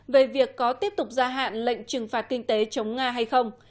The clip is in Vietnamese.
về việc có tiếp tục gia hạn lệnh trừng phạt kinh tế chống nga hay không